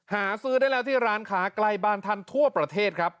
หาซื้อได้แล้วที่ร้านค้าใกล้บ้านท่านทั่วประเทศครับ